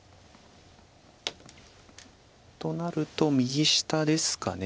となると右下ですか。